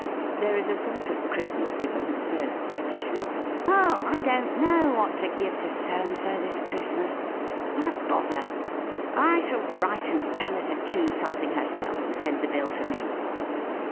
There is a sort of Christmas giver who says pet tishly: "Oh! I don't know what to give to So and So this Christmas! What a bother! I shall write and tell her to choose something herself, and send the bill to me!"